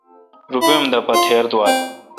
روپے اؙم دہ پہ تھیر دوال۔